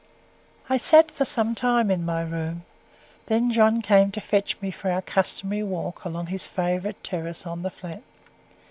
I sat for some time in my room then John came to fetch me for our customary walk along his favourite "terrace" on the Flat.